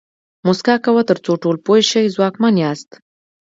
موسکا کوه تر څو ټول پوه شي ځواکمن یاست.